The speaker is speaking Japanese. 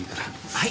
はい？